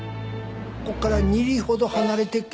ここから２里ほど離れてっけどね。